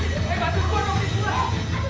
tolong toko untuk dirinya ya